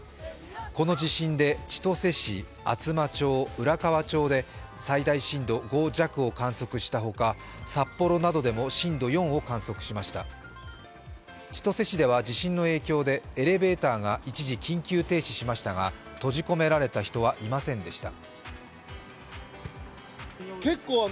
この地震で千歳市、厚真町、浦河町で最大震度５弱を観測したほか札幌などでも震度４を観測しました千歳市では地震の影響でエレベーターが一時、緊急停止しましたが、閉じ込められた人はいませんでした。